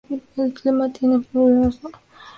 El municipio tiene un clima sabana tropical.